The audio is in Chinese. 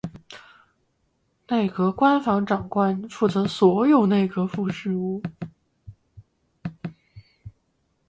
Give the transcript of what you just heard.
内阁官房长官负责所有内阁府事务。